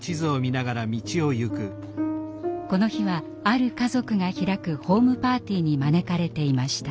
この日はある家族が開くホームパーティーに招かれていました。